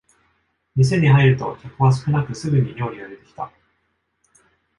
店に入ると客は少なくすぐに料理が出てきた